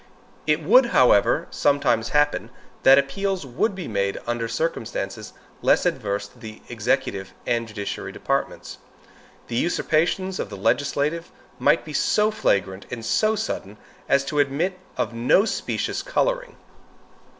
It might, however, sometimes happen, that appeals would be made under circumstances less adverse to the executive and judiciary departments. The usurpations of the legislature might be so flagrant and so sudden, as to admit of no specious coloring.